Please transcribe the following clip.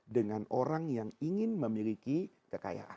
dengan orang yang ingin memiliki kekayaan